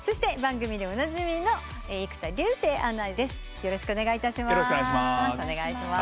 よろしくお願いします。